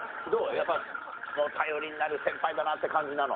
やっぱ頼りになる先輩だなって感じなの？